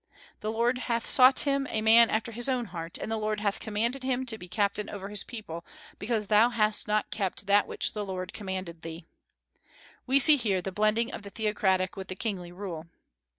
The Lord hath sought him a man after his own heart, and the Lord hath commanded him to be captain over his people, because thou hast not kept that which the Lord commanded thee." We here see the blending of the theocratic with the kingly rule.